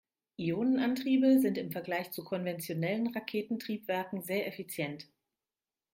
Ionenantriebe sind im Vergleich zu konventionellen Raketentriebwerken sehr effizient.